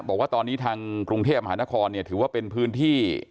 บอกว่าตอนนี้ทางกรุงเทพมหานครเนี่ยถือว่าเป็นพื้นที่